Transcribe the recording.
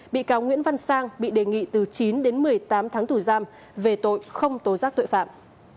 bị cáo nguyễn văn sang bị đề nghị từ chín đến một mươi tám tháng tù giam về tội không tố giác tội phạm